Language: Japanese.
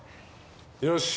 よし。